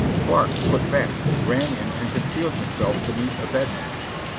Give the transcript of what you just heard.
Clarke put back ; ran in and concealed himself beneath a bed mattress.